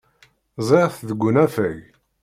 Ẓriɣ-t deg unafag.